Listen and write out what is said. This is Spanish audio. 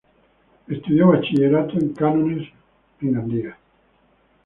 Estudió bachillerato en cánones en Gandía.